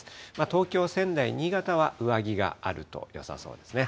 東京、仙台、新潟は上着があるとよさそうですね。